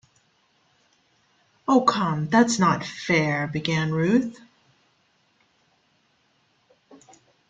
"Oh, come; that's not fair," began Ruth.